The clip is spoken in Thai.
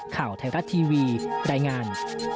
ข่าวไทยรัฐทีวีรายงาน